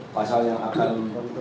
pasal yang akan